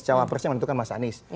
cawapresnya menentukan mas anies